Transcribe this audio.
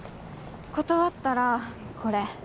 断ったらこれ。